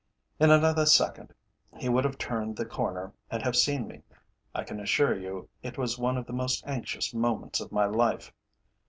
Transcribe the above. In another second he would have turned the corner and have seen me. I can assure you it was one of the most anxious moments of my life.